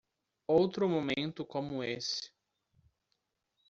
Outro momento como esse.